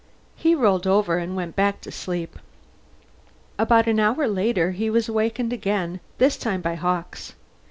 He rolled over and went back to sleep. About an hour later, he was awakened again, this time by Hawkes.